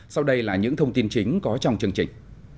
sau đây là những thông tin chính có trong chương trình